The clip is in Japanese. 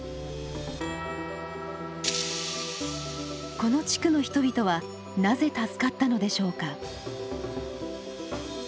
この地区の人々はなぜ助かったのでしょうか？